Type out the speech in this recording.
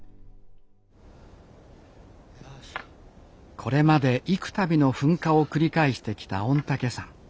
これまで幾たびの噴火を繰り返してきた御嶽山。